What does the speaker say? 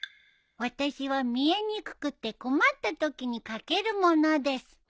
私は見えにくくて困ったときにかけるものです。